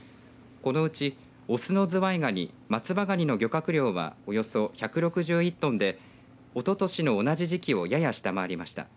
このうち、雄のズワイガニ松葉がにの漁獲量はおよそ１６１トンでおととしの同じ時期をやや下回りました。